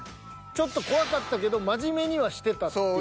ちょっと怖かったけど真面目にはしてたっていう。